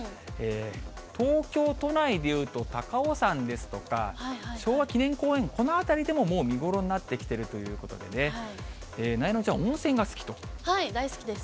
東京都内でいうと高尾山ですとか昭和記念公園、この辺りでももう、見頃になってきているということで、なえなのちゃん、温泉が好き大好きです。